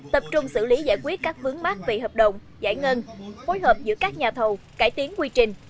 tập trung xử lý giải quyết các vướng mát về hợp đồng giải ngân phối hợp giữa các nhà thầu cải tiến quy trình